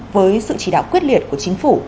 với sự chỉ đạo quyết liệt của chính phủ